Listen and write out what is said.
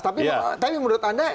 tapi menurut anda